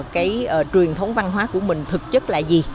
cái truyền thống văn hóa của mình thực chất là gì